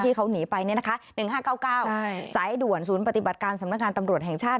ที่เขาหนีไป๑๕๙๙สายด่วนศูนย์ปฏิบัติการสำนักงานตำรวจแห่งชาติ